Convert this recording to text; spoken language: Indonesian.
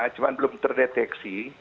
cuma belum terdeteksi